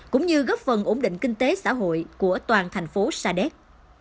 cũng như góp phần ổn định kinh tế xã hội của toàn thành phố sa đéc